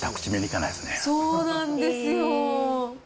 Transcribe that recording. そうなんですよ。